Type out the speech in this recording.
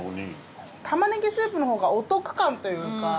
玉ねぎスープの方がお得感というか。